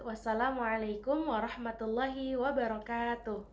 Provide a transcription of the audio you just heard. wassalamualaikum warahmatullahi wabarakatuh